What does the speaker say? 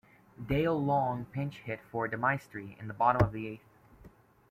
Dale Long pinch hit for DeMaestri in the bottom of the eighth.